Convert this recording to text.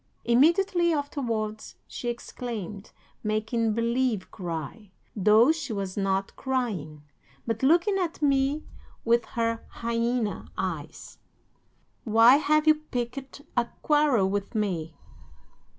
Immediately afterwards she exclaimed, making believe cry, though she was not crying, but looking at me with her hyena eyes: "'"Why have you picked a quarrel with me?"